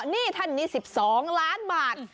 นี่ท่านนี้๑๒ล้านบาท